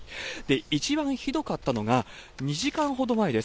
一番ひどかったのが２時間ほど前です。